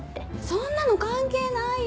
そんなの関係ないよ！